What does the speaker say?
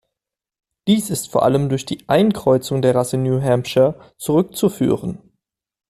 Dies ist vor allem durch die Einkreuzung der Rasse New Hampshire zurückzuführen.